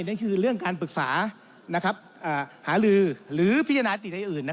นั่นคือเรื่องการปรึกษาหาลือหรือพิจารณาติใดอื่น